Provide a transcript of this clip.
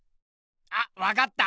あっわかった！